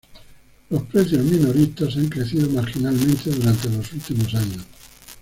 Los precios minoristas han crecido marginalmente durante los últimos años.